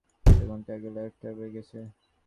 এক ঘন্টা আগে লাইট অফ হয়ে গেছে।